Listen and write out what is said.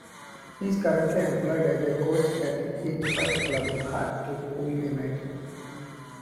He is currently employed as a coach at his first club Hartlepool United.